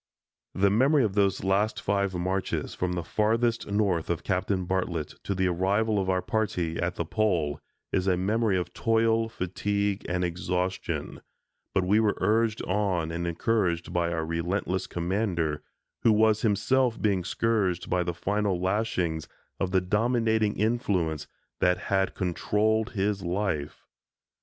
The memory of those last five marches, from the Farthest North of Captain Bartlett to the arrival of our party at the Pole, is a memory of toil, fatigue, and exhaustion, but we were urged on and encouraged by our relentless commander, who was himself being scourged by the final lashings of the dominating influence that had controlled his life.